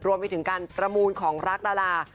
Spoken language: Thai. รวมไปถึงการประมูลของรักดารา